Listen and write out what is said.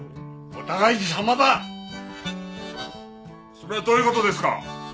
それはどういう事ですか！？